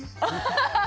ハハハハ！